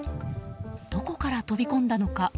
どこから飛び込んだのか。